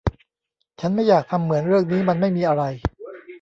ฉันไม่อยากทำเหมือนเรื่องนี้มันไม่มีอะไร